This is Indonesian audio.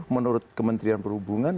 menurut kementrian perhubungan